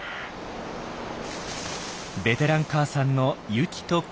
ベテラン母さんのユキと子ども。